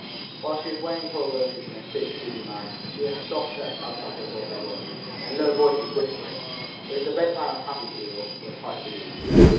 While she was weighing probabilities in her sick dizzy mind, she heard soft steps outside her bolted door, and low voices whispering. It was the bedtime of happy people with hearts at ease.